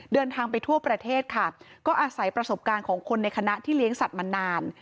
เดินทางไปทั่วประเทศค่ะก็อาศัยประสบการณ์ของคนในคณะที่เลี้ยงสัตว์มานาน